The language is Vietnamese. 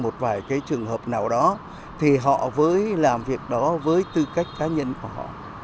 trường hợp nào đó thì họ với làm việc đó với tư cách cá nhân của họ